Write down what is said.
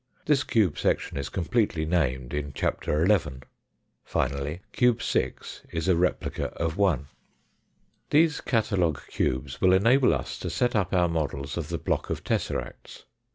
This cube section is completely named in Chapter XI. Finally cube 6 is a replica of 1. These catalogue cubes will enable us to set up our models of the block of tesseracts.